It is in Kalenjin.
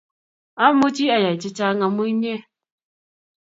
Amuchi ayai chechang amu inye